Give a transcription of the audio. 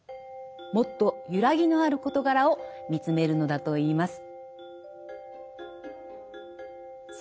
もっと揺らぎのある事柄を見つめるのだといいます。